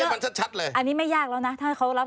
มันชัดชัดเลยอันนี้ไม่ยากแล้วนะถ้าเขารับ